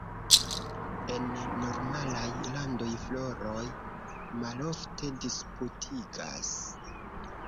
En normalaj landoj, floroj malofte disputigas.